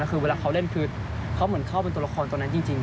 คือเวลาเขาเล่นคือเขาเหมือนเข้าเป็นตัวละครตัวนั้นจริง